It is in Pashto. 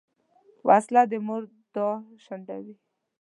وسله د مور دعا شنډوي